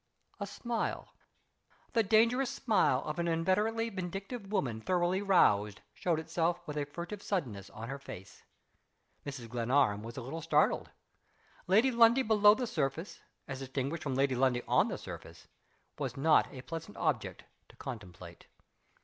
A smile the dangerous smile of an inveterately vindictive woman thoroughly roused showed itself with a furtive suddenness on her face. Mrs. Glenarm was a little startled. Lady Lundie below the surface as distinguished from Lady Lundie on the surface was not a pleasant object to contemplate.